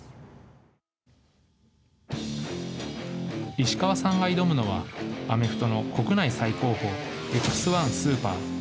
石川さんが挑むのはアメフトの国内最高峰Ｘ１Ｓｕｐｅｒ。